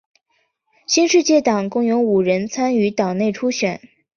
新世界党共有五人参与党内初选。